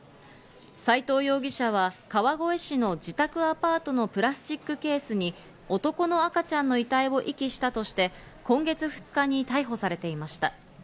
斎藤容疑者は川越市の自宅アパートのプラスチックケースに男の赤ちゃんの遺体を遺棄したとして今月２日に逮捕されていました。